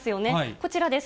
こちらです。